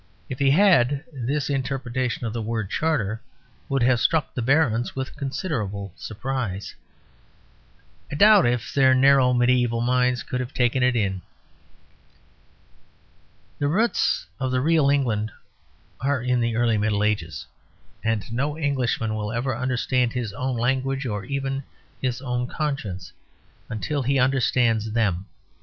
If he had, this interpretation of the word "charter" would have struck the barons with considerable surprise. I doubt if their narrow mediæval minds could have taken it in. The roots of the real England are in the early Middle Ages, and no Englishman will ever understand his own language (or even his own conscience) till he understands them.